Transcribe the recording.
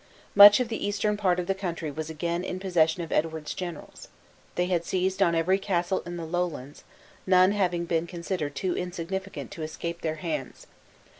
Much of the eastern part of the country was again in possession of Edward's generals. They had seized on every castle in the Lowlands; none having been considered too insignificant to escape their hands.